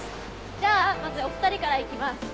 じゃあまずお二人からいきます。